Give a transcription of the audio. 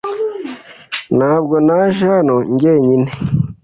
Ntabwo naje hano jyenyine .